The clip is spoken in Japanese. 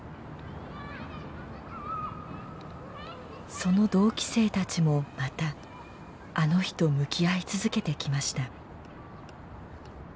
その同期生たちもまたあの日と向き合い続けてきました。